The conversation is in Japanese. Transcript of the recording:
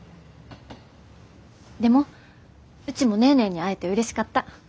でもうちもネーネーに会えてうれしかった。